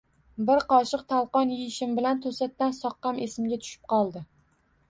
Bir qoshiq tolqon yeyishim bilan to‘satdan soqqam esimga tushib qoldi.